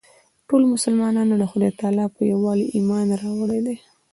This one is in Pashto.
ټولو مسلمانانو د خدای تعلی په یووالي ایمان راوړی دی.